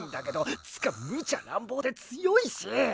っつかむちゃ乱暴で強いし！